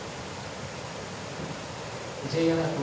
Ｊアラート